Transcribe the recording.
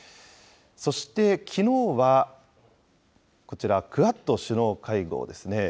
そして、きのうはこちらクアッド首脳会合ですね。